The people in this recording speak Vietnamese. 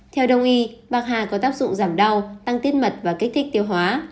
theo đồng ý bạc hà có tác dụng giảm đau tăng tiết mật và kích thích tiêu hóa